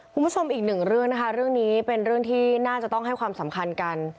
คุณผู้ชมอีกหนึ่งเรื่องนะคะเรื่องนี้เป็นเรื่องที่น่าจะต้องให้ความสำคัญกัน